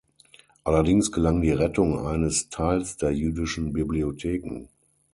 Allerdings gelang die Rettung eines Teils der jüdischen Bibliotheken.